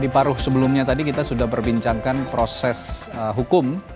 di paruh sebelumnya tadi kita sudah berbincangkan proses hukum